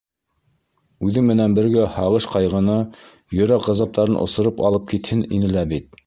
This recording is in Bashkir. Үҙе менән бергә һағыш-ҡайғыны, йөрәк ғазаптарын осороп алып китһен ине лә бит...